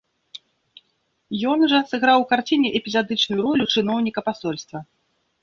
Ён жа сыграў у карціне эпізадычную ролю чыноўніка пасольства.